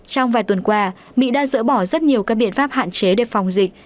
trong vài tuần qua mỹ đã dỡ bỏ rất nhiều các biện pháp hạn chế để phòng dịch